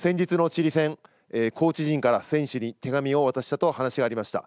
先日のチリ戦、コーチ陣から選手に手紙を渡したと話がありました。